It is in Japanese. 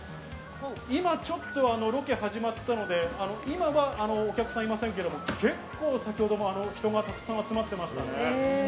今ちょっと、ロケが始まったので今はお客さんいませんけど、結構先ほども人がたくさん集まっていましたね。